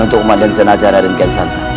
untuk pemakaman jenazah raden kansanta